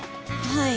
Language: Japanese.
はい。